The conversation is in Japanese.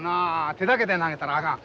手だけで投げたらあかん。